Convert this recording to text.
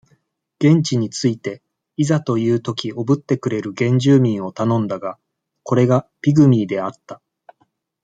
現地に着いて、いざというときおぶってくれる、原住民を頼んだが、これがピグミーであった。